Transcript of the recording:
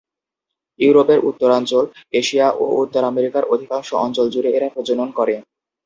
ইউরোপের উত্তরাঞ্চল, এশিয়া ও উত্তর আমেরিকার অধিকাংশ অঞ্চল জুড়ে এরা প্রজনন করে।